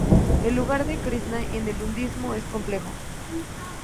El lugar de Krisná en el hinduismo es complejo.